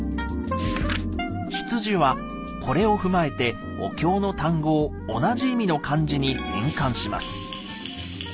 「筆受」はこれを踏まえてお経の単語を同じ意味の漢字に変換します。